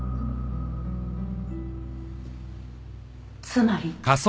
つまり。